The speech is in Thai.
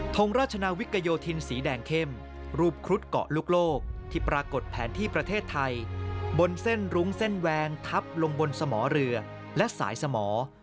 งราชนาวิกโยธินสีแดงเข้มรูปครุฑเกาะลูกโลกที่ปรากฏแผนที่ประเทศไทยบนเส้นรุ้งเส้นแวงทับลงบนสมอเรือและสายสมอ